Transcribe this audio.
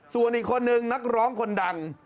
ส่วนอีกคนนึงนักร้องคนดัง